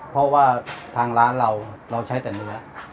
เพราะว่าทางร้านเราเราใช้แต่เนื้อ